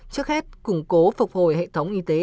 trước hết củng cố phục hồi hệ thống y tế